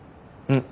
うん。